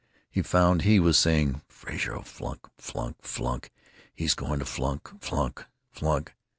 He found he was saying, "Frazer 'll flunk, flunk, flunk; he's going to flunk, flunk, flunk."